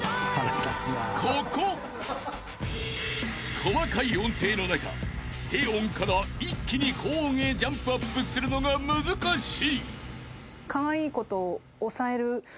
［細かい音程の中低音から一気に高音へジャンプアップするのが難しい］